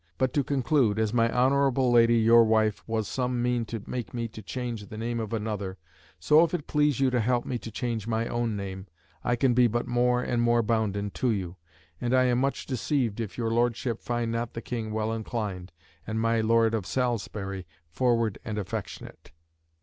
But to conclude, as my honourable Lady your wife was some mean to make me to change the name of another, so if it please you to help me to change my own name, I can be but more and more bounden to you; and I am much deceived if your Lordship find not the King well inclined, and my Lord of Salisbury forward and affectionate."